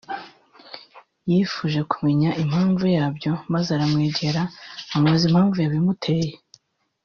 yifuje kumenya impamvu yabyo maze aramwegera amubaza impamvu yabimuteye